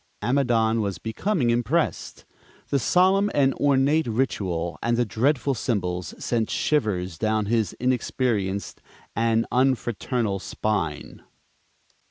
Amidon was becoming impressed: the solemn and ornate ritual and the dreadful symbols sent shivers down his inexperienced and unfraternal spine.